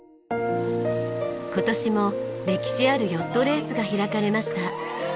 今年も歴史あるヨットレースが開かれました。